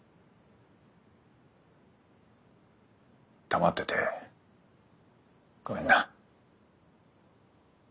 黙っててごめんな。